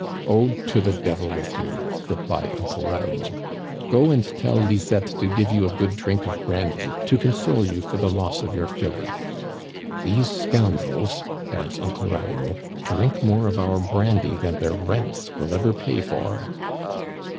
Oh, to the devil with you !" replied Uncle Raoul. Go and tell Lisette to give you a good drink of brandy, to console you for the loss of your filly. These scoun drels," adds Uncle Raoul, '* drink more of our brandy than their rents will ever pay for."